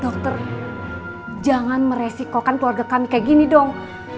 dokter jangan meresikokan keluarga kami kayak gini dong